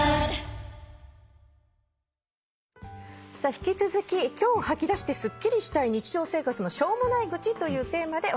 引き続き今日吐き出してすっきりしたい日常生活のしょうもない愚痴というテーマでお話を伺っていきます。